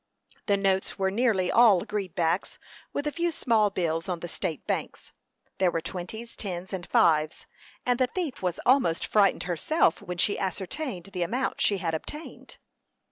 The notes were nearly all "greenbacks," with a few small bills on the state banks. There were twenties, tens, and fives, and the thief was almost frightened herself when she ascertained the amount she had obtained.